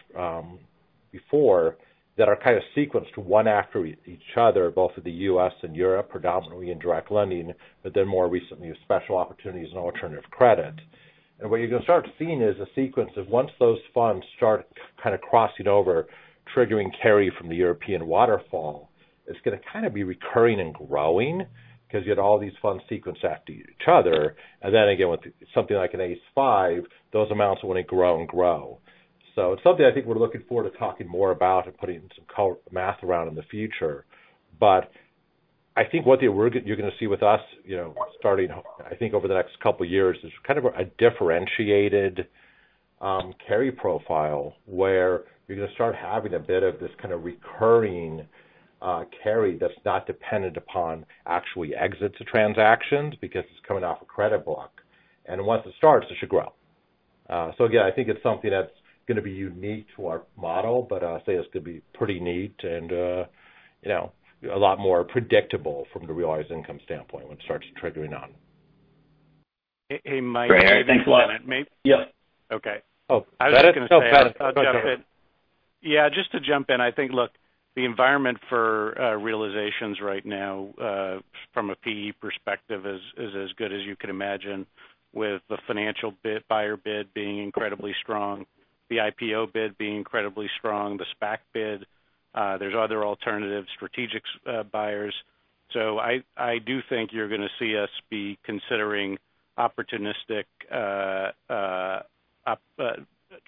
[SPEAKER 4] before that are kind of sequenced one after each other, both in the U.S. and Europe, predominantly in direct lending, but then more recently with special opportunities and alternative credit. What you're going to start seeing is a sequence of once those funds start kind of crossing over, triggering carry from the European waterfall, it's going to kind of be recurring and growing because you had all these funds sequenced after each other. Then again, with something like an ACE V, those amounts are going to grow and grow. It's something I think we're looking forward to talking more about and putting some color math around in the future. I think what you're going to see with us starting, I think over the next couple of years, is kind of a differentiated carry profile where you're going to start having a bit of this kind of recurring carry that's not dependent upon actually exits of transactions because it's coming off a credit block. Once it starts, it should grow. Again, I think it's something that's going to be unique to our model, but I'll say it's going to be pretty neat and a lot more predictable from the realized income standpoint when it starts triggering on.
[SPEAKER 11] Hey, Mike.
[SPEAKER 12] Great. Thanks a lot.
[SPEAKER 11] One minute.
[SPEAKER 4] Yeah.
[SPEAKER 11] Okay.
[SPEAKER 4] Oh, go ahead.
[SPEAKER 11] I was just going to say-
[SPEAKER 4] No, go ahead.
[SPEAKER 11] I'll jump in. Yeah, just to jump in, I think, look, the environment for realizations right now from a PE perspective is as good as you could imagine with the financial buyer bid being incredibly strong, the IPO bid being incredibly strong, the SPAC bid. There's other alternative strategic buyers. I do think you're going to see us be considering opportunistic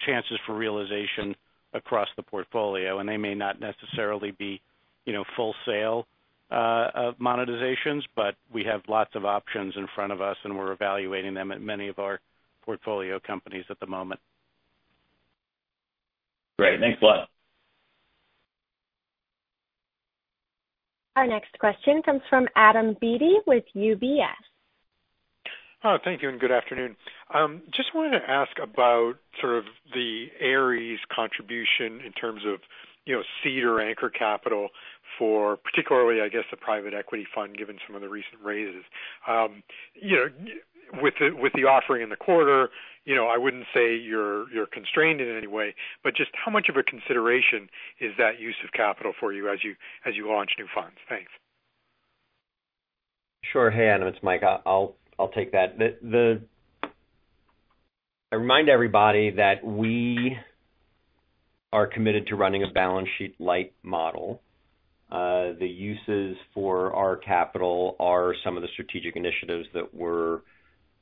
[SPEAKER 11] chances for realization across the portfolio. They may not necessarily be full sale monetizations, but we have lots of options in front of us, and we're evaluating them at many of our portfolio companies at the moment.
[SPEAKER 12] Great. Thanks a lot.
[SPEAKER 1] Our next question comes from Adam Beatty with UBS.
[SPEAKER 13] Thank you, and good afternoon. Just wanted to ask about sort of the Ares Management contribution in terms of seed or anchor capital for particularly, I guess, the private equity fund, given some of the recent raises. With the offering in the quarter, I wouldn't say you're constrained in any way, but just how much of a consideration is that use of capital for you as you launch new funds? Thanks.
[SPEAKER 3] Sure. Hey, Adam, it's Michael. I'll take that. I remind everybody that we are committed to running a balance sheet light model. The uses for our capital are some of the strategic initiatives that we're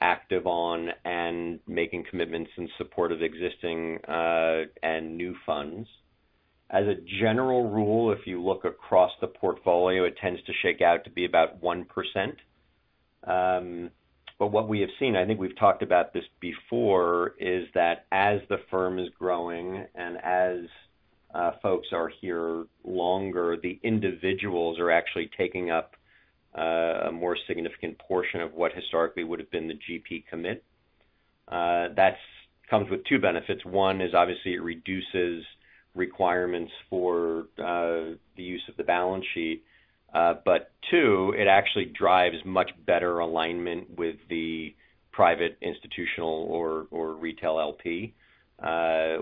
[SPEAKER 3] active on and making commitments in support of existing and new funds. As a general rule, if you look across the portfolio, it tends to shake out to be about 1%. What we have seen, I think we've talked about this before, is that as the firm is growing and as folks are here longer, the individuals are actually taking up a more significant portion of what historically would have been the GP commit. That comes with two benefits. One is obviously it reduces requirements for the use of the balance sheet. Two, it actually drives much better alignment with the private institutional or retail LP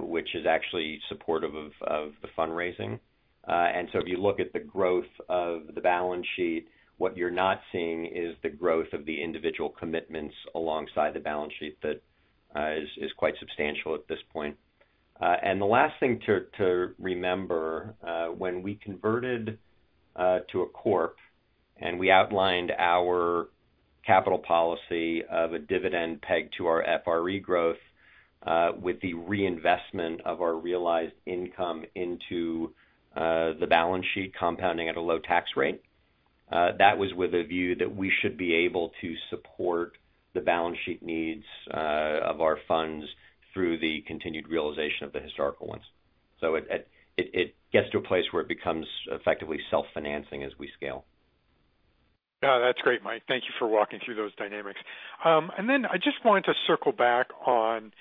[SPEAKER 3] which is actually supportive of the fundraising. If you look at the growth of the balance sheet, what you're not seeing is the growth of the individual commitments alongside the balance sheet that is quite substantial at this point. The last thing to remember, when we converted to a corp and we outlined our capital policy of a dividend pegged to our FRE growth with the reinvestment of our realized income into the balance sheet compounding at a low tax rate. That was with a view that we should be able to support the balance sheet needs of our funds through the continued realization of the historical ones. It gets to a place where it becomes effectively self-financing as we scale.
[SPEAKER 13] Yeah, that's great, Michael. Thank you for walking through those dynamics. I just wanted to circle back on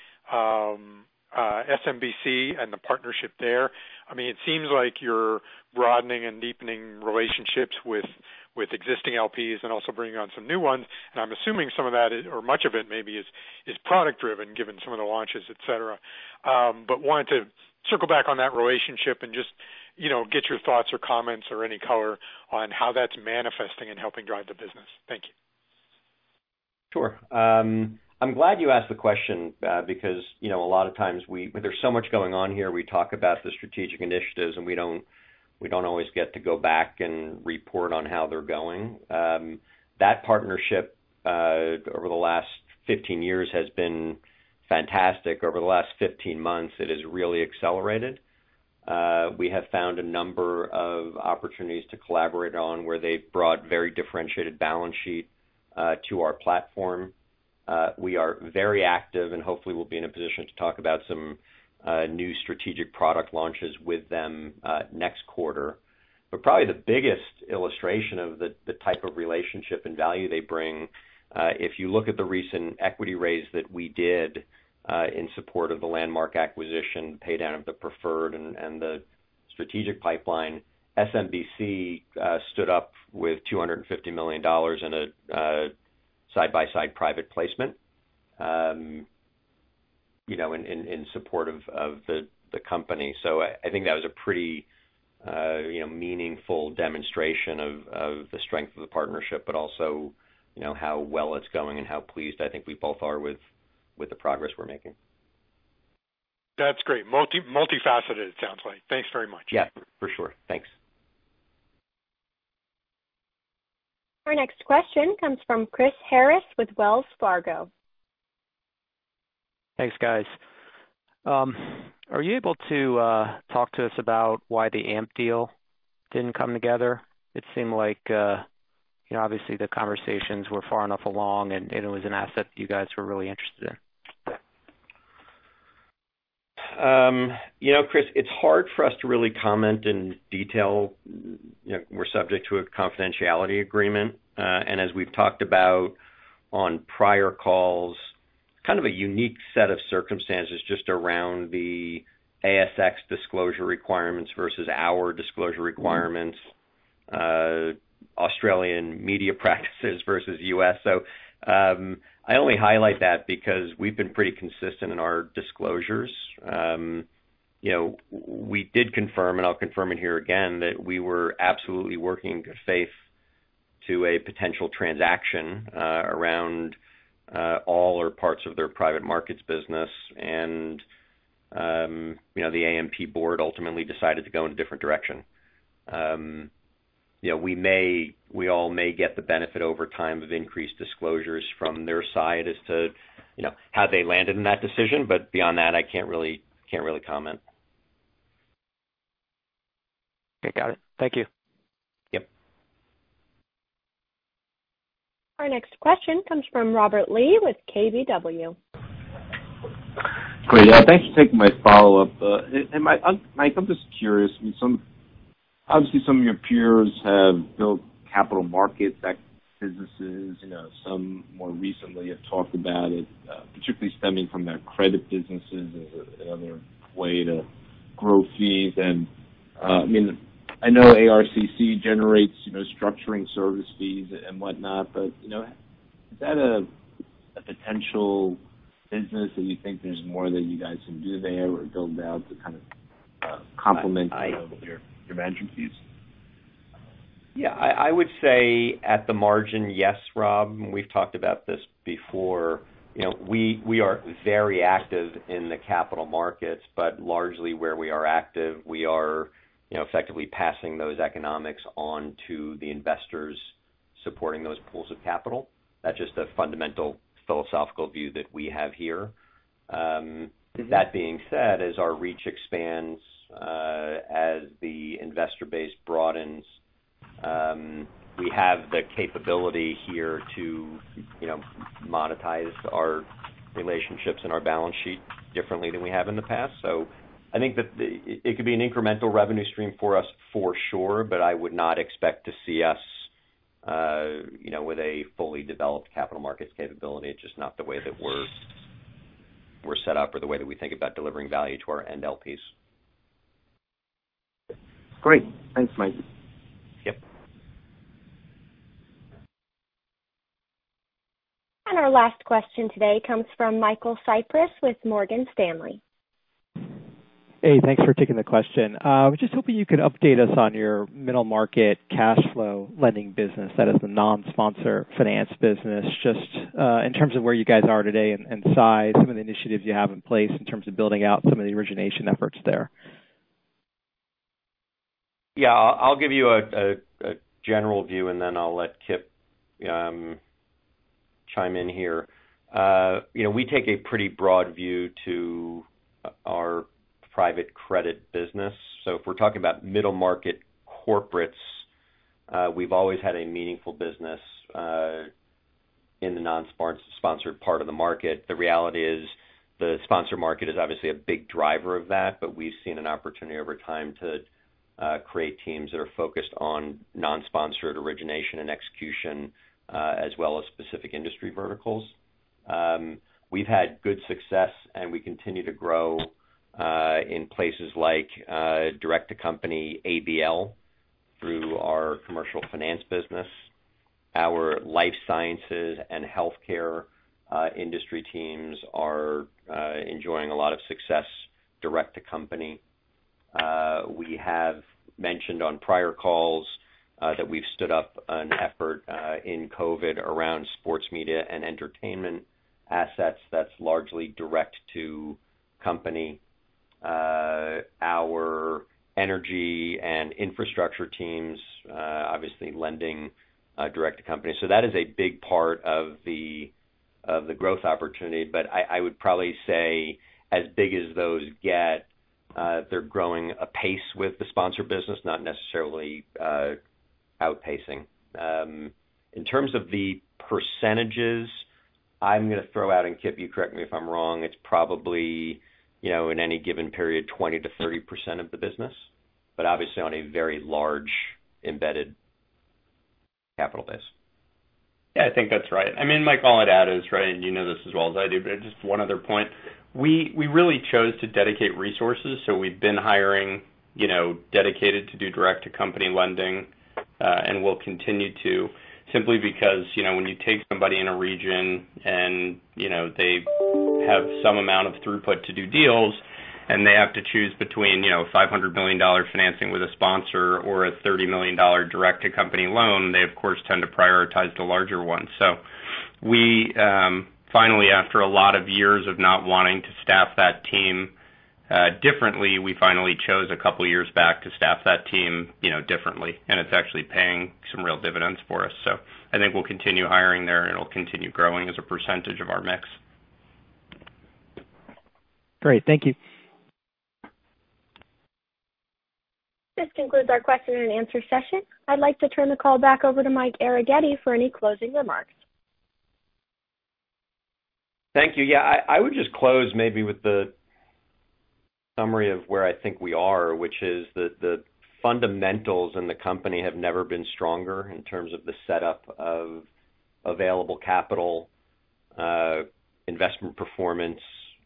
[SPEAKER 13] SMBC and the partnership there. It seems like you're broadening and deepening relationships with existing LPs and also bringing on some new ones, and I'm assuming some of that, or much of it maybe, is product driven, given some of the launches, et cetera. Wanted to circle back on that relationship and just get your thoughts or comments or any color on how that's manifesting and helping drive the business. Thank you.
[SPEAKER 3] Sure. I'm glad you asked the question, because a lot of times there's so much going on here. We talk about the strategic initiatives, we don't always get to go back and report on how they're going. That partnership, over the last 15 years, has been fantastic. Over the last 15 months, it has really accelerated. We have found a number of opportunities to collaborate on where they've brought very differentiated balance sheet to our platform. We are very active and hopefully will be in a position to talk about some new strategic product launches with them next quarter. Probably the biggest illustration of the type of relationship and value they bring, if you look at the recent equity raise that we did in support of the Landmark Partners acquisition, pay down of the preferred, and the strategic pipeline, SMBC stood up with $250 million in a side-by-side private placement in support of the company. I think that was a pretty meaningful demonstration of the strength of the partnership, but also how well it's going and how pleased I think we both are with the progress we're making.
[SPEAKER 13] That's great. Multifaceted, it sounds like. Thanks very much.
[SPEAKER 3] Yeah, for sure. Thanks.
[SPEAKER 1] Our next question comes from Chris Harris with Wells Fargo.
[SPEAKER 14] Thanks, guys. Are you able to talk to us about why the AMP deal didn't come together? It seemed like obviously the conversations were far enough along, and it was an asset you guys were really interested in.
[SPEAKER 3] Chris, it's hard for us to really comment in detail. We're subject to a confidentiality agreement. As we've talked about on prior calls, kind of a unique set of circumstances just around the ASX disclosure requirements versus our disclosure requirements. Australian media practices versus U.S. I only highlight that because we've been pretty consistent in our disclosures. We did confirm, and I'll confirm it here again, that we were absolutely working in good faith to a potential transaction around all or parts of their private markets business. The AMP board ultimately decided to go in a different direction. We all may get the benefit over time of increased disclosures from their side as to how they landed in that decision. Beyond that, I can't really comment.
[SPEAKER 14] Okay, got it. Thank you.
[SPEAKER 3] Yep.
[SPEAKER 1] Our next question comes from Robert Lee with KBW.
[SPEAKER 5] Great. Thanks for taking my follow-up. Michael, I'm just curious. Obviously, some of your peers have built capital markets businesses. Some more recently have talked about it, particularly stemming from their credit businesses as another way to grow fees. I know ARCC generates structuring service fees and whatnot, is that a potential business that you think there's more that you guys can do there or build out to kind of complement your management fees?
[SPEAKER 3] Yeah, I would say at the margin, yes, Robert, and we've talked about this before. We are very active in the capital markets, but largely where we are active, we are effectively passing those economics on to the investors supporting those pools of capital. That's just a fundamental philosophical view that we have here. That being said, as our reach expands, as the investor base broadens, we have the capability here to monetize our relationships and our balance sheet differently than we have in the past. I think that it could be an incremental revenue stream for us for sure, but I would not expect to see us with a fully developed capital markets capability. It's just not the way that we're set up or the way that we think about delivering value to our end LPs.
[SPEAKER 5] Great. Thanks, Michael.
[SPEAKER 3] Yep.
[SPEAKER 1] Our last question today comes from Michael Cyprys with Morgan Stanley.
[SPEAKER 15] Hey, thanks for taking the question. Just hoping you could update us on your middle market cash flow lending business, that is the non-sponsor finance business, just in terms of where you guys are today and size, some of the initiatives you have in place in terms of building out some of the origination efforts there.
[SPEAKER 3] I'll give you a general view, and then I'll let Kipp deVeer chime in here. We take a pretty broad view to our private credit business. If we're talking about middle market corporates, we've always had a meaningful business in the non-sponsored part of the market. The reality is the sponsor market is obviously a big driver of that, but we've seen an opportunity over time to create teams that are focused on non-sponsored origination and execution, as well as specific industry verticals. We've had good success, and we continue to grow in places like direct to company ABL through our commercial finance business. Our life sciences and healthcare industry teams are enjoying a lot of success direct to company. We have mentioned on prior calls that we've stood up an effort in COVID around sports media and entertainment assets that's largely direct to company. Our energy and infrastructure teams, obviously lending direct to company. That is a big part of the growth opportunity. I would probably say as big as those get, they're growing apace with the sponsor business, not necessarily outpacing. In terms of the percentages, I'm going to throw out, and Kipp, you correct me if I'm wrong, it's probably, in any given period, 20%-30% of the business. Obviously on a very large embedded capital base.
[SPEAKER 8] I think that's right. Michael, all I'd add is, and you know this as well as I do, but just one other point. We really chose to dedicate resources, so we've been hiring dedicated to do direct to company lending, and will continue to. Simply because when you take somebody in a region and they have some amount of throughput to do deals, and they have to choose between $500 million financing with a sponsor or a $30 million direct to company loan, they of course tend to prioritize the larger one. We finally, after a lot of years of not wanting to staff that team differently, we finally chose a couple of years back to staff that team differently. It's actually paying some real dividends for us. I think we'll continue hiring there, and it'll continue growing as a percentage of our mix.
[SPEAKER 15] Great. Thank you.
[SPEAKER 1] This concludes our question and answer session. I'd like to turn the call back over to Michael Arougheti for any closing remarks.
[SPEAKER 3] Thank you. Yeah, I would just close maybe with the summary of where I think we are, which is that the fundamentals in the company have never been stronger in terms of the setup of available capital, investment performance,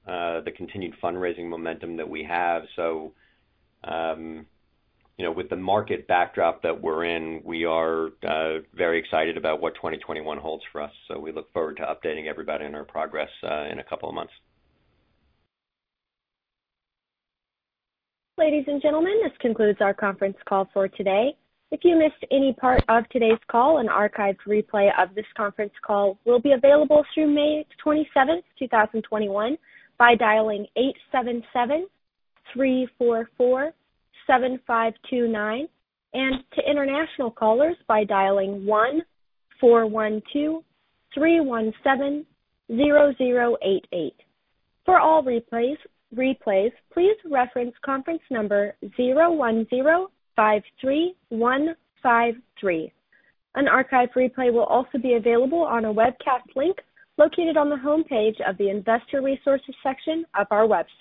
[SPEAKER 3] the continued fundraising momentum that we have. With the market backdrop that we're in, we are very excited about what 2021 holds for us. We look forward to updating everybody on our progress in a couple of months.
[SPEAKER 1] Ladies and gentlemen, this concludes our conference call for today. If you missed any part of today's call, an archived replay of this conference call will be available through May 27th, 2021, by dialing 877-344-7529, and to international callers by dialing 1-412-317-0088. For all replays, please reference conference number 01053153. An archived replay will also be available on a webcast link located on the homepage of the Investor Resources section of our website.